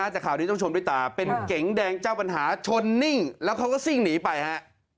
แต่ข่าวนี้ต้องชนด้วยตาเป็นเก๋งแดงเจ้าปัญหาชนนิ่งแล้วเขาก็ซิ่งหนีไปฮะ